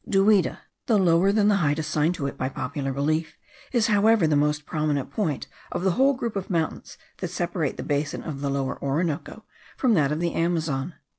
Duida, though lower than the height assigned to it by popular belief, is however the most prominent point of the whole group of mountains that separate the basin of the Lower Orinoco from that of the Amazon.